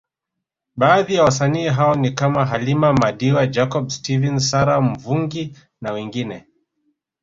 Baadhi ya wasanii hao ni kama Halima madiwa Jacob Steven Sara Mvungi na wengine